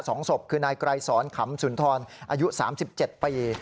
สองศพคือนายไกรสอนขำสุนทรอายุสามสิบเจ็ดปี